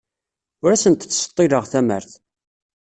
Ur asent-ttseḍḍileɣ tamart.